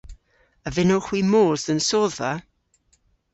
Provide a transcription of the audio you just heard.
A vynnowgh hwi mos dhe'n sodhva?